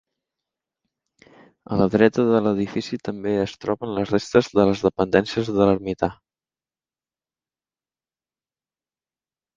A la dreta de l'edifici també es troben les restes de les dependències de l'ermità.